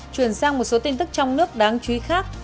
chuyển sang một số tin tức trong nước đáng chú ý khác